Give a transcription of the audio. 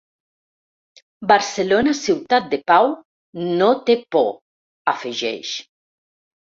Barcelona ciutat de pau, no té por, afegeix.